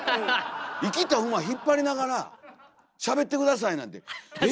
生きた馬引っ張りながらしゃべって下さいなんて「え！」